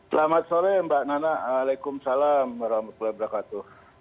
selamat sore mbak nana waalaikumsalam warahmatullahi wabarakatuh